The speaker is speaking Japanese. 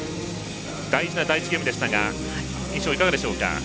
大事な第１ゲームでしたが印象いかがでしょうか？